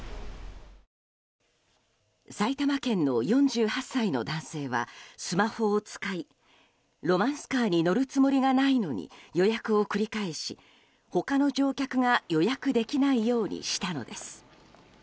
埼玉県の４８歳の男性はスマホを使いロマンスカーに乗るつもりがないのに予約を繰り返し他の乗客が予約できないようにしたのです。